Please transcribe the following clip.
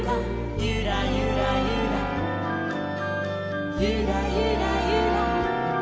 「ゆらゆらゆらゆらゆらゆら」